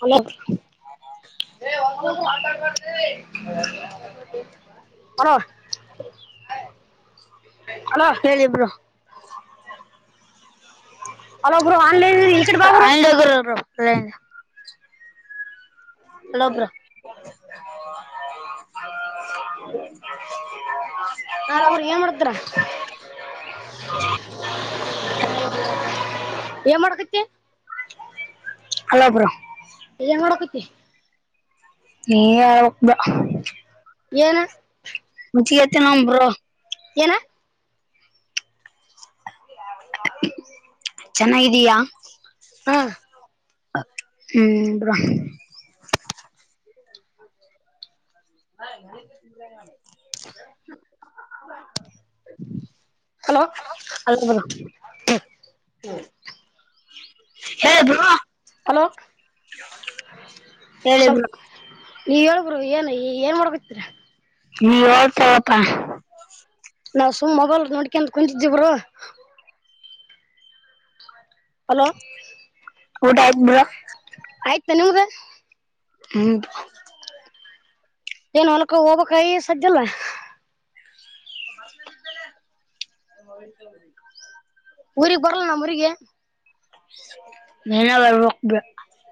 Hello hello hello hello bro online ಈ ಕಡೆ ಆಯ ಅನು ಹಲೋ ಬ್ರೋ [unintelligible] ಹ [unintelligible] ನಾ ಅವ್ರ ಏನ್ ಮಾಡತರ ಏನ್ ಮಾಡಕತಿ ಹಲೋ ಬರೋ ಏನ್ ಮಾಡ್ಕುತ್ತಿ ನೀ ಯ ಏನ [unintelligible] ಏನ ಚೆನ್ನಾಗಿದ್ದಯಾ ಹಾ ಹ್ಮ್ ಬ್ರೋ ಹ ಹಲೋ ಹಲೋ ಬ್ರೋ ಹೇಳಿ ಬ್ರೋ ಹಲೋ ಹೇಳಿ ಬ್ರೋ ನೀವ್ ಹೇಳ ಬ್ರೋ ಏನ್ ಏನ್ ಮಾಡ್ಬೇಕತಿರ ನೀ ಅವ ಸಪಾ ನಾವು ಸುಮ್ ಮೊಬೈಲ್ ನೋಡ್ಕಂತ ಕುಂತಿವಿ ಬ್ರೋ ಹಲೋ ಹ ಊಟ ಆಯ್ತ ಬ್ರೋ ಆಯ್ತಾ ನಿಮ್ದು ಹ್ಮ ಏನ್ ಹೊಲ್ಕ ಹೋಗ್ಬೇಕ್ ಇ ಸದ್ದ ಇಲ್ಲ [unintelligible] ಊರಿಗೆ ಬರಲ್ಲ ನಮ್ ಊರಿಗೆ ಇಲ್ಲ್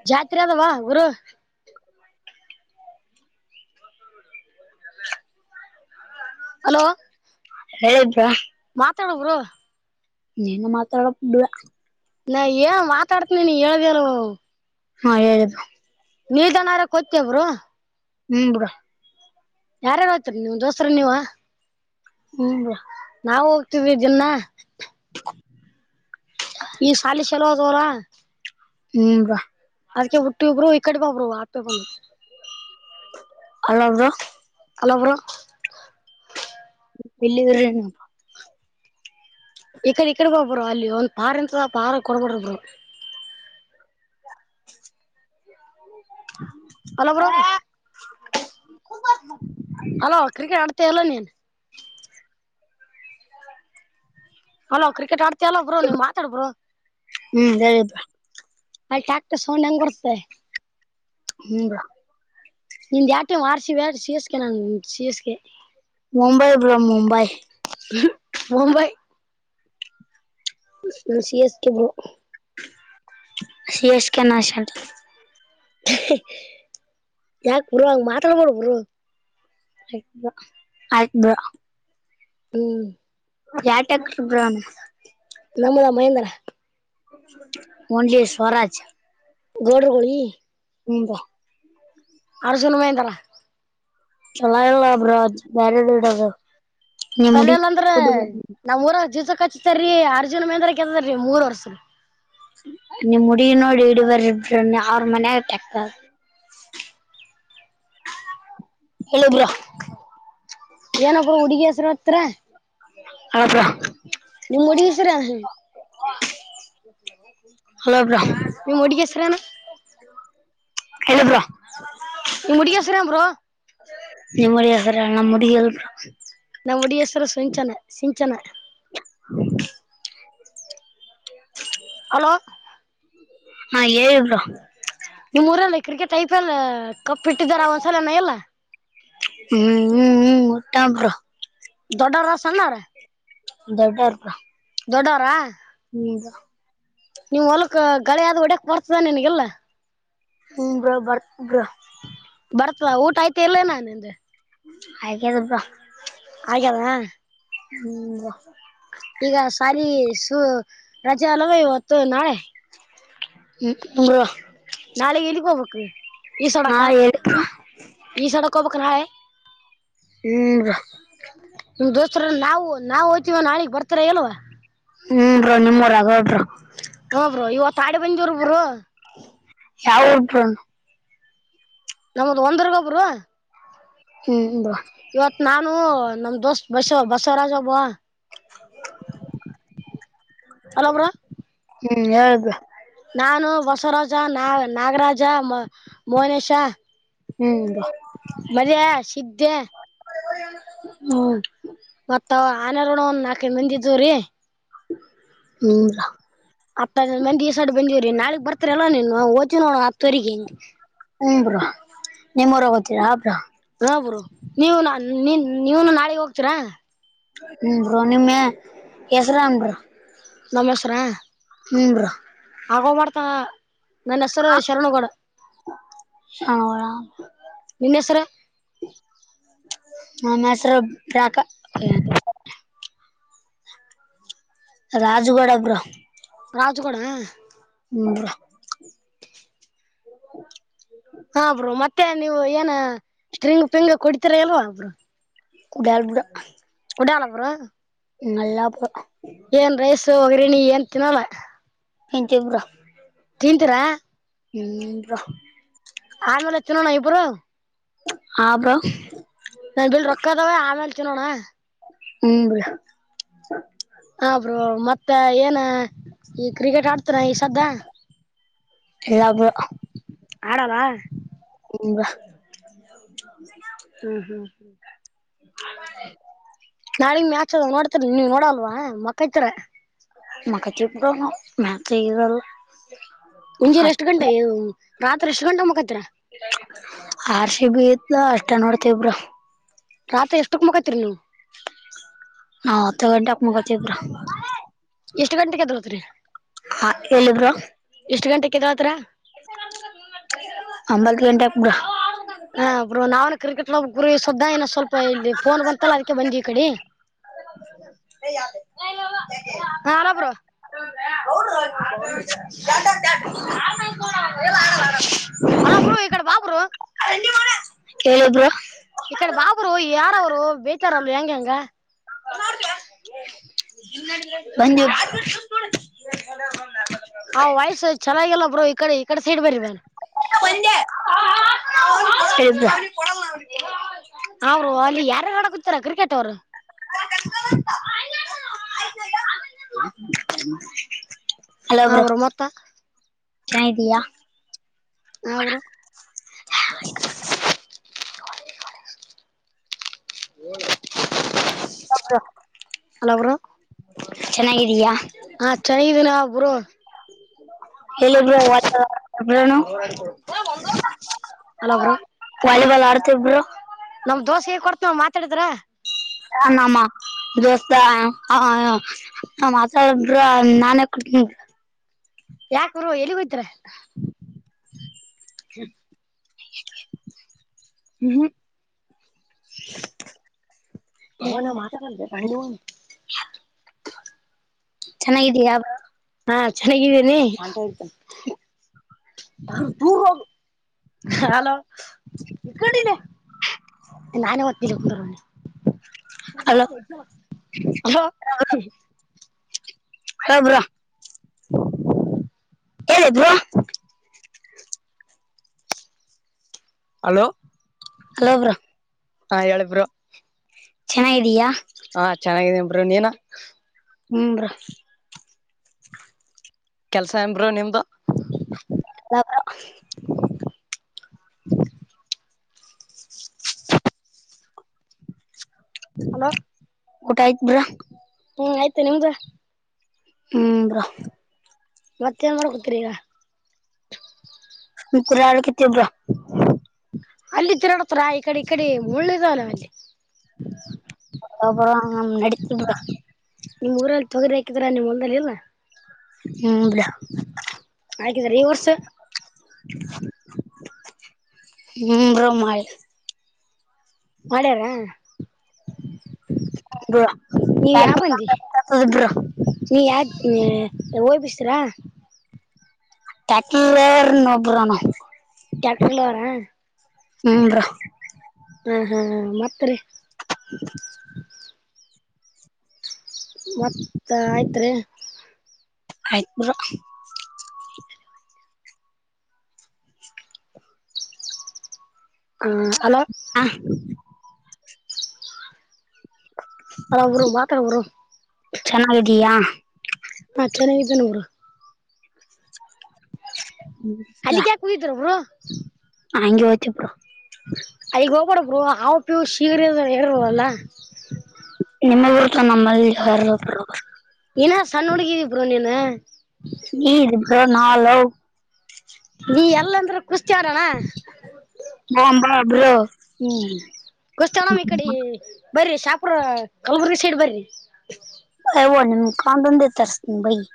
ಜಾತ್ರೆ ಆದ ಬಾ ಬ್ರೋ ಹಲೋ ಹೇಳಿದ್ರಾ ಮಾತಾಡು ಬ್ರೋ ನೀನು ಮಾತಾಡು ನಾ ಏನ್ ಮಾತಾಡ್ತಿನ ನೀ ಹೇಳ್ದನು ಹಾ ಹೇಳಿ ಬ್ರೋ ನಿಲ್ದಣ್ಣ ಹರಿಯಕ್ಕೆ ಹೋಗ್ತೀಯ ಬ್ರೋ ಹ್ಮ್ ಬಿುಡಾ ಯಾರ್ಯಾರು ಹೊಯ್ತರಿೀ ನೀವ್ ದೋಸ್ರ ನೀವ ಹ್ಮ ನಾವು [unintelligible] [inaudible] ಈ ಸಾಲಿ ಚಲೋ ಅಧ್ವರ [inaudible] [unintelligible] ಅದ್ಕ್ಕೆ ಹುಟ್ಟಿ ಇಬ್ರು ಈ ಕಡೆ ಬ ಒಬ್ರು ಆಪೆ ಬಂದು ಅಲ್ಲದು ಹಲೋ ಬ್ರೋ [unintelligible] ಈಕಡೆ ಈಕಡೆ ಬ ಬ್ರೋ ಅಲ್ಲಿ ಒಂದ್ ಪಾರ್ ಇಂತ ಪಾರ ಕೊಡ್ಬಡ್ರ bro [inaudible] hello bro hello cricket ಆಡ್ತ ಇಲ್ಲ ನೀನ್ [inaudible] ಅಲೋ ಕ್ರಿಕೆಟ್ ಆಡ್ತಲ್ಲ ಬ್ರೋ ನೀವ್ ಮಾತಾಡ್ ಬ್ರೋ ಹ್ಮ್ ಹೇಳಿ ಬ್ರೋ ಅ ಟಾಕ್ಟರ್ ಸೌಂಡ್ ಹೆಂಗ್ ಬರುತ್ತೇ ಹ್ಮ್ ಬ್ರೋ ನಿಂದು ಯಾವ್ ಟೀಮ್ ಆರ್ ಸಿ ಬಿ ನ ಸಿ ಎಸ್ ಕೆ ನಾ C S K Mumbai bro Mumbai Mumbai C S K bro C S K ಯಾಕ ಬ್ರೋ ಹಾಂಗ ಮಾತಡಬೇಡ ಬರೋ ಆಯ್ ಬ್ರೋ ಹ್ಮ್ [inaudible] ನಮ್ಮದ ಮಹೇಂದ್ರ ಓನ್ಲಿ ಸ್ವರಾಜ್ ಗೌಡ್ರು ಗೂಳಿ ಹ್ಮ ಬ್ರೋ ಅರ್ಜುನ್ ಮಹೇಂದ್ರ [unintelligible] ನಿಮ್ ಹುಡಿ ಪಲೆಲ್ಲಂದ್ರೆ ನಮ್ ಊರಾಗ ಜೀಸ ಕಚ್ಚ ಕೆತರಿೀ ಅರ್ಜುನ್ ಮೇಂದ್ರ ಗೆದ್ದರಿ ಮೂರ್ ವರ್ಷ [unintelligible] ಏನ ಬ್ರೋ ಹುಡ್ಗಿ ಹೆಸರು ಹತ್ರ [inaudible] ನಿಮ್ ಹುಡುಗಿ ಹೆಸರ ಹಲೋ ಬ್ರೋ ನಿಮ್ ಹುಡುಗಿ ಹೆಸರೇನ ಹೇಳಿ ಬ್ರೋ ನಿಮ್ ಹುಡುಗಿ ಹೆಸರೇನು ಬ್ರೋ ನಿಮ್ಮಡಿ್ರ ನಮ್ಮ ಮುಡಿ ಎಲ್ [unintelligible] ನಮ್ಮ ಉಡಿಯಸ್ರು ಸಿಂಚನ ಸಿಂಚನ ಹ [inaudible] ಹಲೋ ಹಾ ಹೇಳಿ ಬ್ರೊ ನಿಮ್ಮ್ಊರಲ್ಲಿ ಕ್ರಿಕೆಟ್ ಐ ಪಿ ಎಲ್ ಕಪ್ಪಿಟ್ಟಿದಾರ ಒಂದ್ಸಲನ ಎಲ್ಲ ಹ್ಮ್ ಹ್ಮ್ ಹ್ಮ್ಊಟಾ ಬ್ರೊ ದೊಡ್ಡರ ಸಣ್ಣರ ದೊಡ್ಡಾರೋಪ ದೊಡ್ಡವ್ರ ಹ್ಮ್ ನೀವ್ ಹೊಲಕ್ ಗಳಿಾದ ಒಡಕ್ ಬರ್ತದ ನಿಿನಗೆಲ್ಲಾ [unintelligible] ಹ್ಮ್ ಬ್ರೋ ಬರತ್ ಬ್ರೊ ಬರ್ತಾದ ಊಟ ಆಯ್ತ ಇಲ್ಲೇ ನಾ ನಿಂದು ಹಾಗೆದಪ್ಪಾ ಆಗ್ಯದ ಹ್ಮ್ ಈ ಸು ರಜ ಅಲ್ವಾ ಇವತ್ತು ನಾಳೆ ಕ [unintelligible] ನಾಳೆ ಎಲ್ಲಿಗ್ ಹೋಗ್ಬೇಕ್ ಈ ಹಾ ಸೊಡಕ ಹೇಳಿ ಬ್ರೋ ಈ ಸೊಡಕ್ ಹೋಗಬಕ್ ನಾಳೆ ಹ್ಮ್ ಬ್ರೋ ಹ ದೊಸರ ನಾವ [unintelligible] ನಾವ್ ಹೊಯ್ತೀವ ನಾಳಿಗ್ ಬರ್ತಿರಾ ಎಲ್ವಾ ಹ್ಮ ನಿಮ್ೂರಗರು [unintelligible] ಹು ಬ್ರೊ ಇವತ್ತು ಆಡ ಬಂದಿರು ಬ್ರೊ ಯಾವ ಉಬ್ರನು ನಮದು ಒಂದರ್ಗ ಒಬ್ರು ಹ್ಮ್ ಬ್ರೋ [unintelligible] ಇವತ್ ನಾನು- ನಮ್ದೋಸ್ ಬಸವ ಬಸವರಾಜ ಒಬ್ಬ ಹಲೋ ಬ್ರೊ ಹ್ಮ್ ಯೌ್ದು [unintelligible] ನಾನು ಬಸವರಾಜ ನಾ ನಾಗರಾಜ ಮ ಮೋನೇಶ ಹ್ಮ್ ರ ಮಲ್ಯ ಸಿದ್ದೆ [unintelligible] ಹ್ಮ್ ಮತ್ತ ಆನಾರಣ ಒಂದ್ ನಾಲ್ಕೈ ಮಂದ ಇದವ್ರೀ [unintelligible] ಹ್ಮ ಅತ್ತ ಮಂದಿ ಈ ಸೈಡ್ ಬಂದಿವವ್ರೀ ನಾಳಗ್ ಬರ್ರಿಲ್ಲ ನೀನ್ ಹಓಚಿ ನೋಡ ಹತ್ರೆರಿಗೆ ಹಿಂಗ [unintelligible] ಹ್ಮ ಬ್ರೊ ನಿಮ್ಮ್ ಊರ ಹೋತೀರಾ ಬ್ರೊ ನೀವ ನೀ ನೀವನು ನಾಳೆಗೆ ಹೋಗ್ತೀರಾ [unintelligible] ಹ್ಮ ಬ್ರೊ ನಿಮ್ಮೆ ಹೆಸರು ಏನ್ ಬ್ರೊ ನಮ್ಮ ಹೆಸರ ಬ್ರೋ ಆಗೋ ಮಾಡ್ತಾ ನನ್ನ ಹೆಸರ ಶರಣಗೌಡ ಶಾಣಗೋಳ ನಿನ್ನ ಹೆಸರ ಪ್ರ ಪ್ರಾಕ ರಾಜಗಡ ಬರ ರಾಜಗೌಡ ಹ್ಮ ಬ್ರೋ ಹ ಹಾ ಬ್ರೋ ಮತ್ತೆ ನೀವು ಏನ ಸ್ಟ್ರಿಂಗ್ ಪಿಂಗ ಕುಡಿತೀರ ಇಲ್ವಾ ಬ್ರೋ. ಕುಡಿಲಬಿಡ ಕುಡಾಲ ಬ್ರೋ ನಲ್ಲಾಪ ಏನ್ ರೈಸ್ ಹೋಗ್ರಣಿ ಏನ್ ತಿನ್ನೋಲ ಹಿಂತಿ ಬ್ರೋ ತಿಂತೀರಾ ಹ್ಮ್ ಬ್ರೋ ಆಮೇಲೆ ತಿನ್ನೋಣ ಇಬ್ರು ಹ ಬ್ರೋ ನನ್ನ ಹತ್ತೇಲ ರೊಕ್ಕದಾವ ಆಮೇಲೆ. ತಿನ್ನುಣ್ಣ ಹ್ಮ್ ಬ್ರೋ ಹ ಬ್ರೋ ಮತ್ತೆ ಏನ ಈ ಕ್ರಿಕೆಟ್ ಆಡ್ತನ ಈ ಸದ್ದ ಇಲ್ಲ ಬ್ರೋ ಆಡನಾ ಹ್ರ ಹ್ಮ್ ಹ್ಮ್ ಹ್ಮ್ [unintelligible] ನಾಳಿಗೆ ಮ್ಯಾಚ್ ನೋಡ್ತರಿ ನೀವ್ ನೋಡಲ್ವ ಮಕ್ಕತಿರ್ ಮಕ್ಕ [inaudible] ಮುಂಜೆಲೆ ಎಷ್ಟು ಗಂಟೆಗೆ ರಾತ್ರಿ ಎಷ್ಟ ಗಂಟಗ ಮಕತ್ತೀರಾ ರ ಸಿ ಬಿ ಇತ್ತ ಅಷ್ಟ ನೋಡ್ತೇವಿ ಬ್ರೋ. ರಾತ್ರಿ ಎಷ್ಟಕ್ ಮಕ್ಕತಿರಿ ನೀವ ಹತ್ತ ಗಂಟಕ ಮಕ್ಕೊಂತೀವಿ ಬ್ರೋ ಎಷ್ಟ್ ಗಂಟೆಗೆ ಎದ್ದೇಲತೀರಿ. ಹೇಳಿ ಬ್ರೋ ಎಷ್ಟು ಗಂಟೆಕ ಎದ್ದೇಳತೀರ ಒಬ್ಬಂತ ಗಂಟೆಕ ಬ್ರೋ ಹಾ ಬ್ರೋ ನಾವ ಕ್ರಿಕೆಟ್ ನ ಗುರು ಸುದ್ದಾ ನ ಸ್ವಲ್ಪ ಇಲ್ಲಿ ಫೋನ್ ಬಂತಲ್ಲ ಅದಕ್ಕೆ ಬಂದಿ ಈ ಕಡೆ. ಸ ಯ ಹಾ ಅಲ್ಲ ಬ್ರೋ [inaudible] ಹೌಲ್ಲ ಆ [inaudible] ಹಲೋ ಬ್ರೋ ಈ ಕಡೆ ಬಾ ಬ್ರೋ ಕೇಳಿದ್ರು ಈ ಕಡೆ ಬಾ ಬ್ರೋ ಯಾರವ್ರು ಬೇತಾರ ಯಂಗ ಅಂಗ [inaudible] [unintelligible] ಆ ವಯ್ಸ ಚೆನ್ನಾಗಿಲ್ಲ ಬ್ರೋ ಕಡೆ ಈ ಕಡೆ ಸೈಡ್ ಬರ್ರಿ ಬನ್ [unintelligible] [inaudible] ಅವರು ಅಲ್ಲಿ ಯಾರ ಯಾರ ಆಡಕುತ್ತಾರ್ ಕ್ರಿಕೆಟ್ ತ್ತರ [inaudible] ಅದ್ರ ಮೊತ್ತ ಚೆನ್ನಾಗಿ ಇದೀಯಾ ಹಾ ಬ್ರೋ ಹ ಹಲೋ ಬ್ರೋ ಚೆನ್ನಾಗಿದೀಯಾ ಹ ಚಲೋ ಇದೇನ ಬ್ರೋಂ ಹೇಳಿ ಬ್ರೋ ಏನು ಅಲ್ಲೋ ಬ್ರೋ ವಾಲಿಬಾಲ್ ಆಡ್ತೀವ್ ಬ್ರೋ ನಮ್ಮ ದೋಸ್ತ ಗೆ ಕೊಡ್ತನ ಮಾತಾಡಿದ್ರ ನಮ್ಮ ದೋಸ್ತ ಹ ಮಾತಾಡ್ರ ನಾನೇ ಕೊಡತನ ಯಾಕ ಬ್ರೋ ಎಲ್ಲಿಗೋಯ್ತರ [inaudible] ಹ್ಮ [unintelligible] ಹ್ಮ್್ಮ [inaudible] [unintelligible] ಚೆನ್ನಾಗಿದೀಯಾ ಹಾ ಚೆನ್ನಾಗಿದ್ದೇನೆ [unintelligible] ೂರ್ ಹೋಗ ಹಲೋ ಇತ್ಕೊಂಡಿದ್ದೆ ನಾನೇ ದತನಿ ಕ ಹಲೋ ಹಲೋ ಹಲೋ ಬ್ರೋ ಹೇಳಿದ್ವಾ ಹಲೋ ಹಲೋ ಬ್ರೋ ಹಾ ಹೇಳ ಬ್ರೋ ಚೆನ್ನಾಗಿದ್ದೀಯಾ ಹಾ ಚೆನ್ನಾಗಿದೀನ್ ಬ್ರೋ ನೀನು ಹ್ಮ್ರ ಕೆಲ್ಸ ಎಂಬರು ನಿಮ್ದು ಅ [unintelligible] ಹಲೋ ಊಟ ಆಯ್ತ್ ಬ್ರೋ ಹ್ಮ್ ಆಯ್ತು ನಿಮ್ದು ಹ್ಮ ಮತ್ತೆ ಹೆಂಗಡ್ಕೋತರಿ ಈಗ ಮಳ [unintelligible] ಅಲ್ಲಿ ತಿರಡತರಾ ಈ ಕಡೆ ಈ ಕಡೆ ಮುಳ್ಳಿದಲ್ಲ ಅಲ್ಲಿ ಹರ [unintelligible] ನಿಮ್ ಊರಲ್ಲಿ [unintelligible] ಕಿದ್ರ ನಿಮ್ಮ [unintelligible] ಹ್ಮ್ ಹಾಕಿದ್ರ ಈ ವರ್ಸ್ ಹ್ಮ ಬ್ರೋ ಮಲ್ ಮಾಡ್ಯಾರ ಹೌ ನೀವ್ ಯಾವ ಯಿದರು [unintelligible] ಹ್ಮ ಯ್ ಬಿಸ್ರಾ ಟಕಾರ ಒಬರಾನ [unintelligible] ಟ್ಯಾಕ್ಟರ್ಲವರ ಹೂ ಬ್ರೋ ಹಾ ಹಾ ಹ ಮತ್ತರಿ ಹ್ಮ ಮತ್ತ ಆಯ್ತ್ ರೀ ಆಯತ್ಮರ [unintelligible] ಹಾ ಹಲೋ ಹಾ ಅ ಬ್ರೋ [inaudible] ಚೆನ್ನಾಗಿದ್ದೀಯಾ ಮತ್ ಚೆನ್ನಾಗಿದ್ದ ಬ್ರೋ [inaudible] ಅಲ್ಲಿಗೆ ಯಾಕೆ ಹೋಗಿದ್ದೀರಾ ಬ್ರೋ ಹಂಗೆ ಹತ ಬ್ರೋ ಅಗ ಹೋಗಬಡಬ್ರು ಹವು ಪ್ಯವರು ಶೀರಿ ಹೇಳರುಲ್ಲ ನಿಮಲ್ಲಿ ನಮ್ಮಲ್ಲಿ ಯಾರ [unintelligible] ಏನ ಸಣ್ಣ [unintelligible] ಬ್ರೋ ನೀನು [unintelligible] ನೀ ಎಲ್ಲಂದ್ರೆ [unintelligible] ಬ್ರೋ ಹ್ಮ್ ಕುಸ್ತರಾಮ ಇ ಕಡಿ ಬರ್ರಿ ಶಾಪುರ ಕಲಬುರ್ಗಿ ಸೈಡ್ ಬರಿ ಹ್ಮ ಕಾ ಬಂದ ತರ್ಸ ಬೈ [inaudible]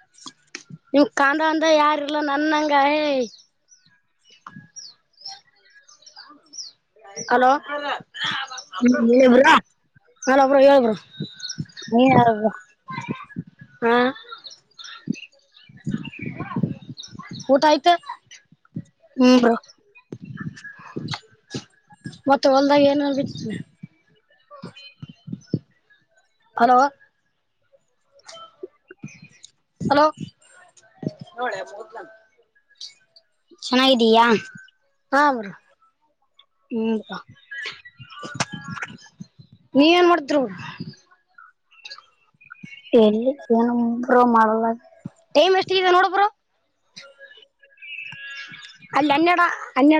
ನಿವ್ ಕಾಂತಾಂದ ಯಾರು ಇಲ್ಲ ನನ್ನಂಗ ಏಯ್ ಹಲೋ ಹ್ಮ್ ಹೇಳವ್ರಾ [unintelligible] [unintelligible] ಹರಬ್ರು ಹೇಳಬ್ರು ನೀ ಯಾರ ಬ್ರೊ ಹಾ ಊಟ ಆಯ್ತ್ ಹ್ಮಬ್ರೊ ಮತ್ತೆ ಹೊಲ್ದಾಗ ಏನನ್ ಬಿಟ್ ಜಿ [unintelligible] ಹಲೋ ಹಲೋ ನೋಡ ಹೋದ್ಲ [inaudible] ಚೆನ್ನಾಗಿದ್ದೀಯಾ ಹ ಬ್ರೊ ಹ್ಮ್ಾ [unintelligible] ಹ [inaudible] ನೀವ್ ಏನ್ ಮಾಡಿತ್ರ್ ಬ್ರೊ ಎಲ್ಲಿ ಏನರು ಮಾಡಲ [unintelligible] ಟೈಮ್ ಎಷ್ಟಿದೆ ನೋಡು ಬ್ರೊ ಜಿ [inaudible] ಕೊ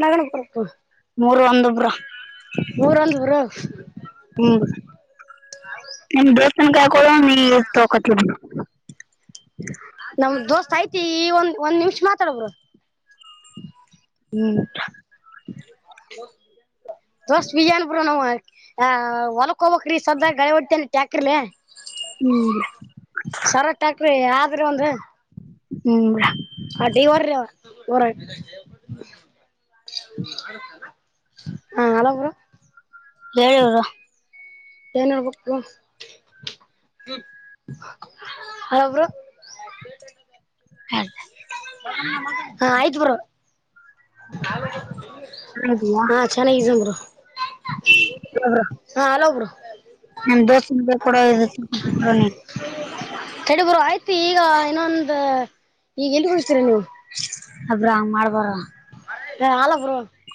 [unintelligible] ಮೂರು ಒಂದು ಬ್ರೊ ಊರ ಅಂದ ಬರು [unintelligible] ಹ್ಮ ಬ ಕ ಕೊಕ [unintelligible] ನಮ್ ದೋ ಐತಿ ಈ ಒಂದ್ ಒಂದ್ ನಿಮಿಷ್ ಮಾತಾಡು ಬ್ರೊ ಹ್ಮ್ ಕೆ [inaudible] ದೋಸ್ ಬಿಜ ಅನ್ ಬಿ ನಾವವು ಆ ಹೊಲಕ ಹಬಕ್ರೀ ಸದ ಗಳ ಹೊಡ್ತ [unintelligible] ಕೇಕ್ರೆಲ ಹ್ಮ್ ಶರತ್ಾಕ್್ರಿ ಆದ್ರಿ ಒಂದು [unintelligible] ಹ್ಮ್ ಅಡಿ ಹೊರ್ರ ರ ಹ ಹಲೋ ಬುರ [unintelligible] ಹೇಳು ಬ್ರೊ ಏನ್ ಹೇಳ್ಬೇಕು ಬ್ರೊ ಹ್ಮ [inaudible] ಹಾಯ್ ಬ್ರೋ ಹಾ ಹಾ ಆಯ್ತ್ ಬ್ರೋ ಬ್ರೋ ಹಾ ಚೆನ್ನಾಗಿದ್ದೀನಿ ಬ್ರೋ ಹಾ ಹಲೋ ಬ್ರೋ ನಮ್ ದೋಸ್ತನ ಕೈಯ ಕೊಡು ಇದೆನ್ನ ನೀ ತಡಿ ಬ್ರೋ ಆಯ್ತ ಈಗ ಇನ್ನೊಂದ ಈಗ ಎಲ್ಲಿ ಹೋಗ್ತೀರ ನೀವು ಅಬ್ರಾ ಹಂಗ್ ಮಾಡ್ಬಾರ ಹೆ ಹಲೋ ಬ್ರೋ